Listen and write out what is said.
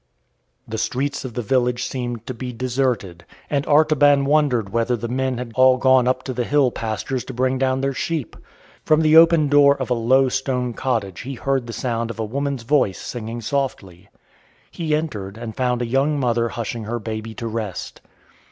The streets of the village seemed to be deserted, and Artaban wondered whether the men had all gone up to the hill pastures to bring down their sheep. From the open door of a low stone cottage he heard the sound of a woman's voice singing softly. He entered and found a young mother hushing her baby to rest.